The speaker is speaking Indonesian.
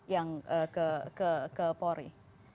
yang ke pori